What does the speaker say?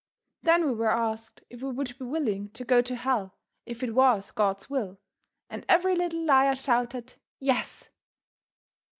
Then we were asked if we would be willing to go to hell if it was God's will, and every little liar shouted "Yes."